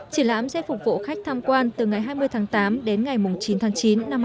triển lãm sẽ phục vụ khách tham quan từ ngày hai mươi tháng tám đến ngày chín tháng chín năm hai nghìn một mươi chín